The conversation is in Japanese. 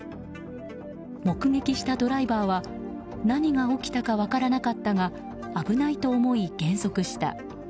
目撃したドライバーは何が起きたか分からなかったが危ないと思い、減速した。